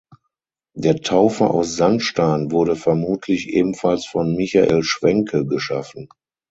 Der Taufe aus Sandstein wurde vermutlich ebenfalls von Michael Schwenke geschaffen.